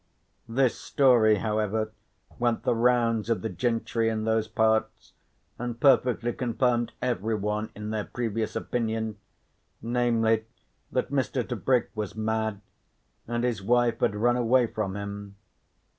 This story, however, went the rounds of the gentry in those parts and perfectly confirmed everyone in their previous opinion, namely that Mr. Tebrick was mad and his wife had run away from him.